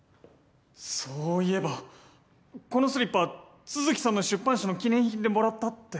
そういえばこのスリッパ都築さんの出版社の記念品でもらったって。